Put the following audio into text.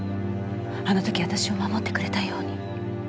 あの時私を守ってくれたように。